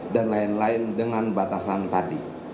dan lain lain dengan batasan tadi